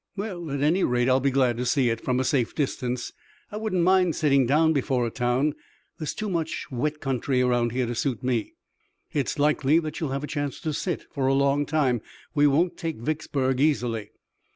"Well, at any rate, I'll be glad to see it from a safe distance. I wouldn't mind sitting down before a town. There's too much wet country around here to suit me." "It's likely that you'll have a chance to sit for a long time. We won't take Vicksburg easily."